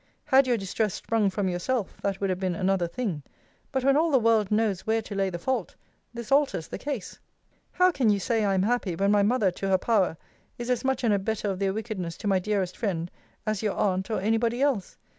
Had your distress sprung from yourself, that would have been another thing. But when all the world knows where to lay the fault, this alters the case. How can you say I am happy, when my mother, to her power, is as much an abettor of their wickedness to my dearest friend, as your aunt, or any body else?